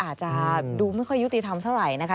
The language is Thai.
อาจจะดูไม่ค่อยยุติธรรมเท่าไหร่นะคะ